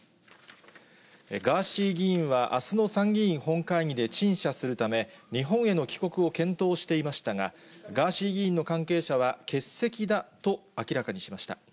ガーシー議員はあすの参議院本会議で陳謝するため、日本への帰国を検討していましたが、ガーシー議員の関係者は、欠席だと明らかにしました。